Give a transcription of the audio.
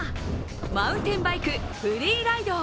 マウンテンバイク・フリーライド。